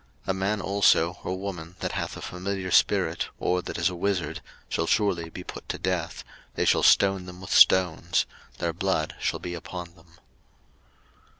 03:020:027 A man also or woman that hath a familiar spirit, or that is a wizard, shall surely be put to death: they shall stone them with stones: their blood shall be upon them.